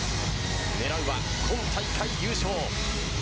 狙うは今大会優勝。